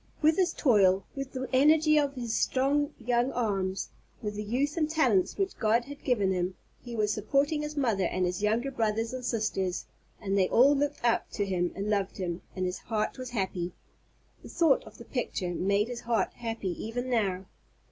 With his toil, with the energy of his strong young arms, with the youth and talents which God had given him, he was supporting his mother and his younger brothers and sisters; and they all looked up to him and loved him, and his heart was happy. The thought of the picture made his heart happy even now.